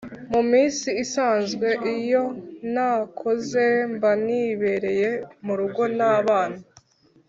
Muminsi isanzwe iyo ntakoze mbanibereye murugo nabana